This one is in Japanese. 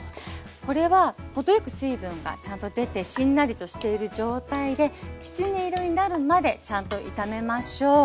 これは程よく水分がちゃんと出てしんなりとしている状態できつね色になるまでちゃんと炒めましょう。